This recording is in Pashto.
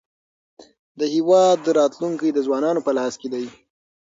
د هېواد راتلونکی د ځوانانو په لاس کې دی.